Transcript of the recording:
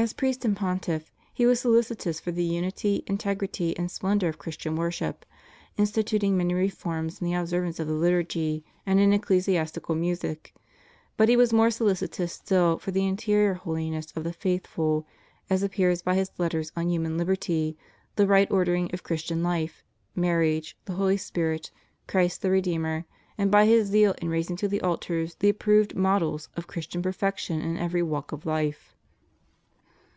As priest and Pontiff, he was solicitous for the unity, integrity, and splendor of Christian worship, instituting many reforms in the ob servance of the liturg}'' and in ecclesiastical music, but he was more solicitous still for the interior holiness of the faithful, as appears by his Letters on Human Liberty, The Right Ordering of Christian Life, Marriage, The Holy Spirit, Christ the Redeemer, and by his zeal in raising to the altars the approved models of Christian perfection in every walk of life.